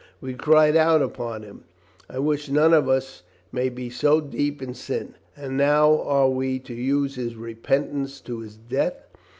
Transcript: We cry out upon him. I wish none of us may be so deep in sin. And now are we to use his repentance to his death